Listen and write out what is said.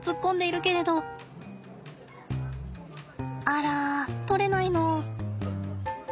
あら取れないの。